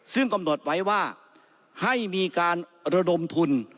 ซึ่งกำหนดไว้ว่าให้มีการระดมทุน